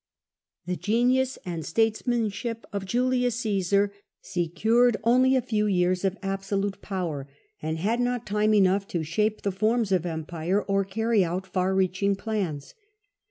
The genius and statesmanship of Julius Caesar secured only a few years of absolute power, and had not time enough to shape the forms of empire, or carry . f^ut far reaching plans.